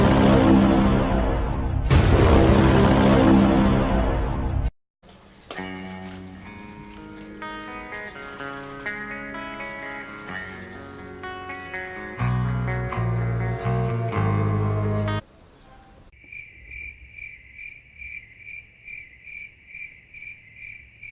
ดีมาก